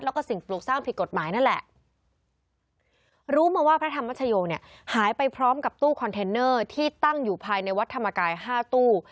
แล้วก็สิ่งปลูกสร้างผิดกฎหมายนั่นแหละรู้มาว่าพระธรรมชโยเนี่ยหายไปพร้อมกับตู้คอนเทนเนอร์ที่ตั้งอยู่ภายในวัดธรรมกายห้าตู้